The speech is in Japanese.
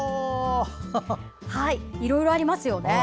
いろいろありますよね。